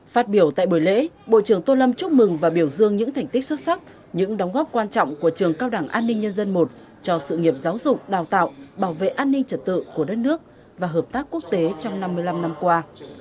phát biểu tại buổi lễ bộ trưởng tô lâm chúc mừng và biểu dương những thành tích xuất sắc những đóng góp quan trọng của trường cao đẳng an ninh nhân dân i cho sự nghiệp giáo dục đào tạo bảo vệ an ninh trật tự của đất nước và hợp tác quốc tế trong năm mươi năm năm qua